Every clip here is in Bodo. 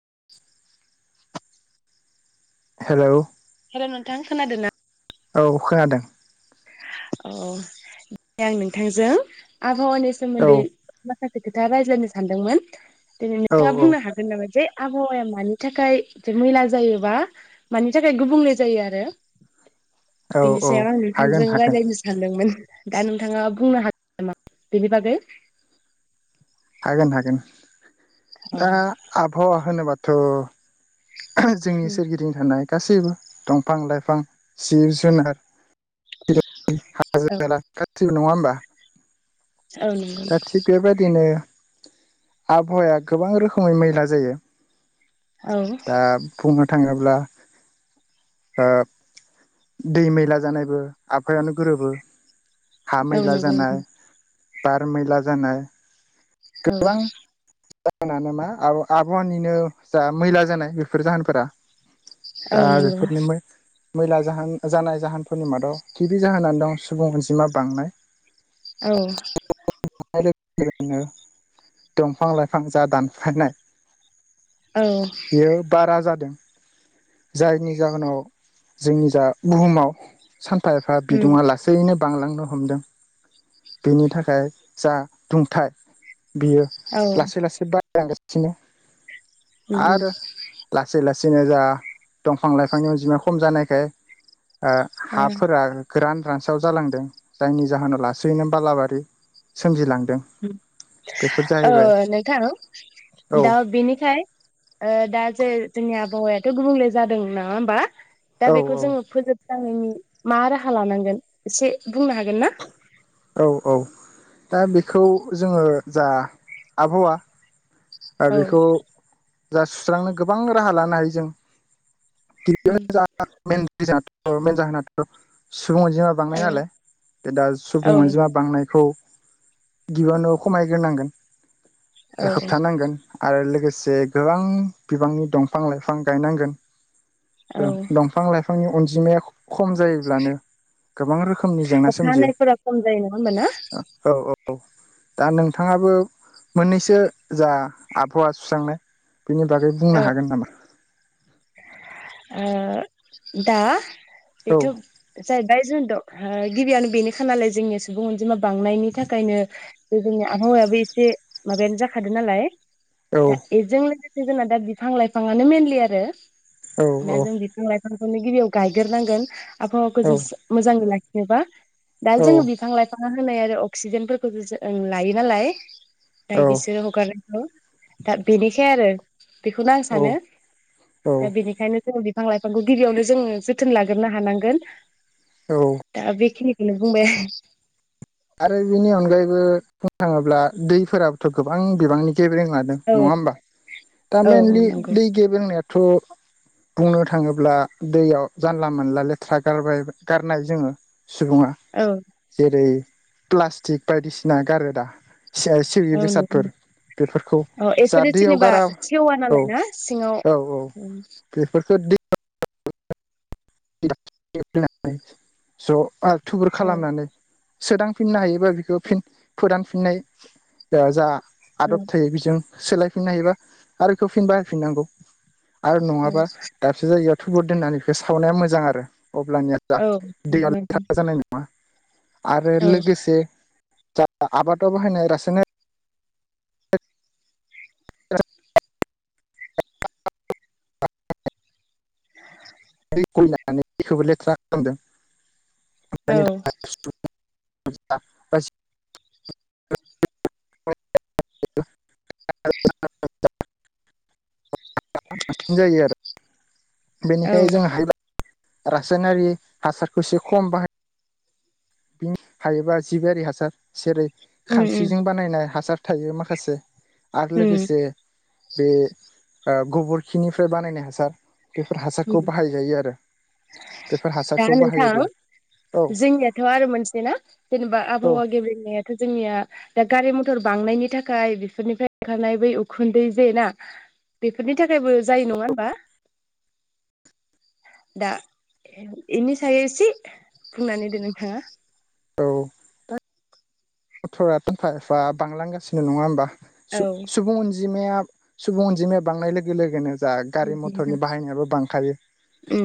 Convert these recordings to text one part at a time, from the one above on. [inaudible] हेलौ हेल' नोंथां खोनादों ना औ खोनादों औ दे आं नोंथांजों आबहावानि औ सोमोन्दै माखासे खोथा रायज्लायनो सानदोंमोन दिनै औ नोंथाङा औ बुंनो हागोन नामा जे आबहावाया मानि थाखाय मैला जायोबा मानि थाखाय गुबुंले जायो आरो औ बिनि औ सायाव आं हागोन नोंथांजों हागोन रायलायनो सानदोंमोन दा नोंथाङा बुंनो हागोन नामा बेनि बागै हागोन हागोन औ दा आबहावा होनोबाथ' जोंनि सोरगिदिं थानाय गासैबो दंफां लाइफां जिब जुनार हाजो हाला गासैबो नङा होमबा औ दा थिग बेबायदिनो आबहावाया गोबां रोखोमै मैला जायो दा बुंनो थां थाङोब्ला ओ दै मैला जानायबो आबहावानो गोरोबो हा औ मैला नंगौ नंगौ। जानाय बार मैला जानाय औ गोबां जाहोनानो मा आबहावानिनो जा मैला जानाय बेफोर जाहोनफोरा औ नंगौ नोंथां औ दा नंगौ बेफोरनोमो मैला जाहोन जानाय जाहोनफोरनि मादाव गिबि जाहोना दं सुबुं अनजिमा बांनाय औ बांनाय लोगोनो दंफां लाइफां जा दानफायनाय औ बेयो बारा जादों जायनि जाहोनाव जोंनि जा बुहुमाव सानफा एफा उम बिदुङा लासैनो बांलांनो हमदों बेनि थाखाय जा दुंथाय बियो औ लासै लासै बारायलांगासिनो उम उम आरो लासै लासै सिनो जा दंफां लाइफांनि अनजिमाया खम जानायखाय ओ हाफोरा गोरान रानसाव जालांदों जायनि जाहोनाव लासैनो बालाबारि सोमजिलांदों बेफोर औ ओ जाहैबाय नोंथां औ दा बिनिखाय ओ दा जे जोंनि आबहावायाथ' गुबुंले जादों नङा होमबा दा औ बेखौ जोङो फोजोब स्रांनायनि मा राहा लानांगोन एसे बुंनो हागोन ना औ औ दा बेखौ जोङो जा आबहावा दा औ बेखौ जा सुस्रांनो गोबां राहा लानो हायो जों [inaudible] उम सुबुं अनजिमा बांनाय ओ नालाय दा औ सुबुं अनजिमा बांनायखौ गिबियावनो खमायग्रोनांगोन औ होब्था नांगोन आरो लोगोसे से गोबां बिबांनि दंफां लाइफां गायनांगोन औ दंफां लाइफां फांनि अनजिमाया खम जायोब्लानो गोबां रोखोमनि जेंना खा सोमजियो हानाय फोरा खम जायो नङा होनबा ना औ औ दा नोंथाङाबो मोननैसो जा आबहावा सुस्रांनो बेनि बागै औ बुंनो हागोन नामा? ओ दा औ बेथ' जाय जाय जोंथ' गिबियावनो बेनोखा नालाय जोंनि सुबुं अनजिमा बांनायनि थाखायनो। बे जोंनि आबहावायाबो एसे माबायानो जाखादों नालाय औ दा बेजों लोगोसे जोंना दा बिफां लाइफांआनो मेनलि आरो औ औ दा जों बिफां लाइफां फांखौनो गिबियाव गायग्रोनांगोन आबहावाखौ औ जों मोजाङै लाखिनोबा दा जोङो बिफां लाइफां होनाय आरो अक्सिजेनफोरखौबो जों लायो नालाय। दा औ बिसोरो हगारनायखौ दा बेनिसै आरो बेखौनो आं औ सानो दा बेनिख बिफां लाइफांखौ गिबियावनो जोङो जोथोन लाग्रोनो हांगोन औ दा बेखिनि बुंबाय आं आरो बेनि अनगायैबो बुंनो थाङोब्ला दैफोराबोथ' गोबां बिबांनि गेब्रें लादों औ नङा होमबा दा औ मइेनलि नंगौ दै गेब्रेंनायाथ'। बुंनो थाङोब्ला दैयाव जानला मोनानला लेथ्रा गारबाय गारनाय जोङो सुबुङा औ जेरै प्लास्टिक बायदिसिना गारो दा सिबि औ नंगौ बेसादफोर बेफोरखौ औ जा बेफोरो दैयाव जेनेबा गारा सेवा औ नालाय ना सिङाव औ औ। बेफोरखौ दै। ज' आरो थुबुर औ खालामनानै सोदांफिननो हायो। बेखौ फिन फोदानफिननाय जा औ आदब थायो बेजों - सोलायफिननो हायोबा आरो बेखौ फिन बाहफिननांगौ आरो औ नङाबा दाबसे जायगायाव। थुबुर दोननानै बेखौ सावनाया मोजां आरो अब्लानिया जा दैया लेथ्रा जानाय नङा। आरो लोगोसे जा आबादाव बाहायनाय रासायनारि [inaudible] [inaudible] औ [unintelligible] [unintelligible] बांसिन जायो आरो। बेनिखाय जों हायोबा रासायनारि हासारखौ एसे खम बाहाय बिनि हायोबा जिबारि हासार जेरै उम उम खानस्रिजों बानायनाय हासार थायो माखासे आरो उम लोगोसे बे गोबोरखिनिफ्राय बानायनाय हासार बेफोर उम हासारखौ बाहायजायो आरो। बेफोर दा हासारखौ नोंथां बाहायोब्ला औ जोंनियाथ' आरो मोनसे जेनेबा औ आबहावा गेब्लेनायाथ' जोंनिया गारि मथर बांनायनि थाखाय बेफोरनिफ्राय ओंखारनाय बै उखुन्दै जे ना बेफोरनि थाखायबो जायो नङा होनबा? दा इनि सायाव एसे बुंनानै होदो नोंथाङा। औ मथरा थानफा एफा बांलांगासिनो नङा औ होमबासुबु सुबुं अनजि अनजिमाया सुबुं अनजिमाया बांनाय लोगो लोगोनो। जा उम गारि मथरनि बाहायनायाबो बांखायो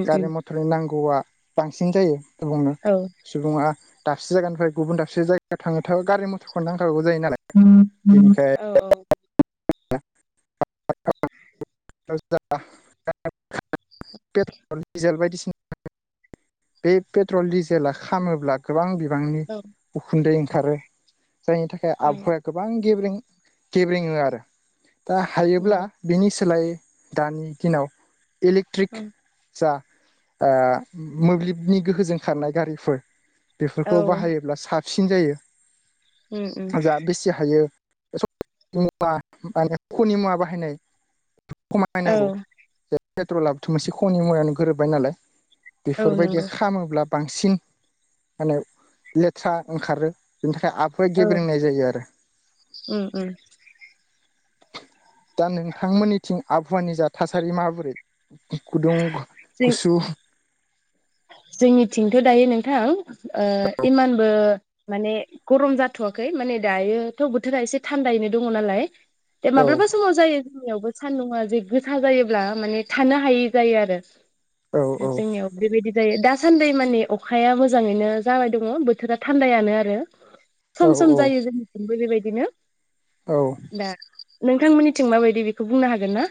गारि मथरनि नांगौआ। बांसिन जायो बुंनो औ सुबुङा दाबसे जायगानिफ्राय गुबुन दाबसे जायगायाव थाङो। नोथ' गारि मथरखौनो नांथारौ जायो नालाय बेनिखाय [unintelligible] पेट्रल डिजेल बायदिसिना [unintelligible] बे पेट्रल डिजेला खामोब्ला गोबां बि गोबांनि उखुन्दै ओंखारो जायनि थाखाय आबहावाया गोबां गेब्रें गेब्रेङो आरो दा हायोब्ला बिनि सोलायै दानि दिनाव इलेक्ट्रिक जा ओ मोब्लिबनि गोहोजों खारनाय गारिफोर औ बेफोरखौ नंगौ औ बाहायोब्ला सा सिन जायो उम उम जा बेसे हायो [unintelligible] माने ख'नि मुवा बाहायनाय औ खमायनांगौ‌ पेट्रला बोथ' मोनसे खनि मुवायावनो गोरोबबाय नालाय औ बेफोरबायदिया नंगौ खामोब्ला बांसिन माने लेथ्रा ओंखारो। ओमफ्राय आबहा औ गेब्रेेंनाय जायो आरो। उम उम [inaudible] दा नोंथांमोननिथिं आबहावानि जा थासारि माबोरै गुदुं जों गुसु जोंनिथिंथ' दायो नोंथां इमानबो माने गरम जाथ'वाखै माने दायोथ' बोथोरा एसे थान्दायैनो दङ नालाय। औ ए‌माब्ला समाव जायो। जोंनियावबो सानदुंङा जे गोसा जायोब्ला माने थानो हायै जायो आरो। औ औ जोंनियाव बेबायदि जायो दासान्दै माने‌ अखाया मोजाङैनो जाबाय दङ बोथोरा थान्दायानो आरो। औ सम सम औ जायो जोंनिबो बेबायदिनो औ दा नोंथांमोननिथिं माबायदि बेखौ बुंनो हागोन ना?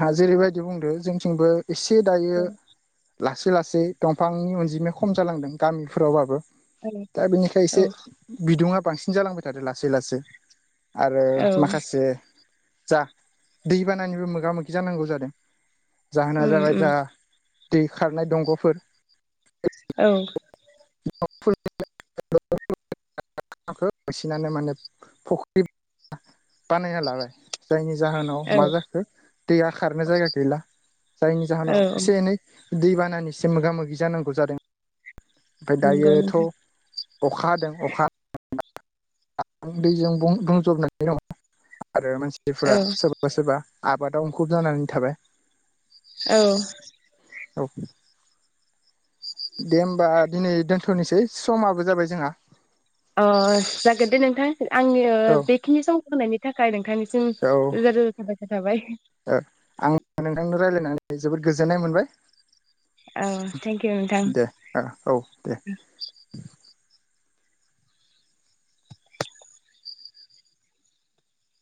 हा जेरैबायदि बुंदों जोंथिंबो एसे दायो औ ला लासै लासै दंफांनि अनजिमाया खम जालांदों गामिफोरावबाबो। दा बेनिखाय औ एसे बिदुुंङा बांसिन जालांबाय थादों लासै लासै आरो माखासे जा दै बानानिबो मो मोगा मोगि जानांगौ जादों जाहोना जाबाय जा औ दै खारनाय दंग'फोर औ हेलौ [unintelligible] बांसिनानो माने फुख्रि बानायना लाबाय जायनि जाउ जाहोनाव मा औ जाखो दैया खारनो जायगा गैला जायनि जाहोनाव औ एसे एनै दैबानानिसोम मोगा मोगि जानांगौ जादों। ओमफाय नंगौ दायोथ' नोंथां अखा हादों अखा [unintelligible] दैजों बुंजबनानै दङ। आरो मानसिफोरा औ सोरबा सोरबा आबादाव मुखुब जानानै थाबाय। औ औ दे होमबा दिनै दोनथ'नोसै समाबो जाबाय जोंहा। अ जागोन दे नोंथां आंनि औ बेखिनि सम होनायनि थाखाय नोंथांनिसिम औ रोजा रोजा साबायखर थाबाय आं नोंथांनो रायज्लायनानै जोबोद गोजोननाय मोनबाय। औ थेंक इउ नोंथां। दे औ दे